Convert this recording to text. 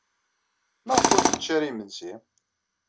Maɣef ur tečči ara imensi?